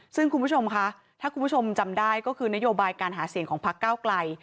ซึ่งคุณผู้ชมค่ะถ้าคุณผู้ชมจำได้ก็คือนโยบายการหาเสียงของพักเก้าไกล